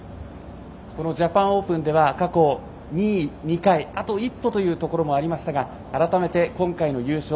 ジャパンオープンでは過去２位が２回とあと一歩というところもありましたが改めて今回の優勝